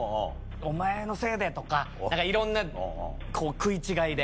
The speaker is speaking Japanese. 「お前のせいで」とかいろんなこう食い違いで。